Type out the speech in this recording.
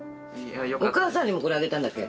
お母さんにもこれあげたんだっけ？